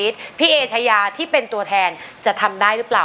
ใครว่าที่เป็นตัวแทนจะทำได้หรือเปล่า